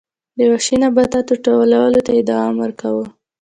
د وحشي نباتاتو ټولولو ته یې دوام ورکاوه